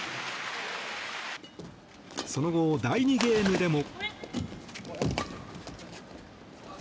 その後、第２ゲームでも。